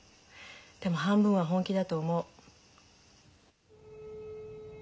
でも半分は本気だと思う。